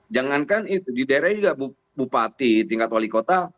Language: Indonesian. jangankan di daerah ini juga bupati tingkat wali kota